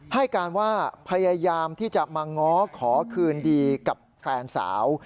ให้การว่าพยายามที่จะมาง้อขอคืนดีกับแฟนสาว